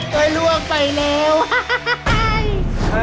เคยลวกไปแล้ว